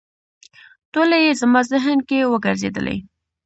ټولې یې زما ذهن کې وګرځېدلې.